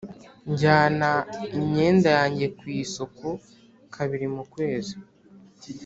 njyana imyenda yanjye ku isuku kabiri mu kwezi.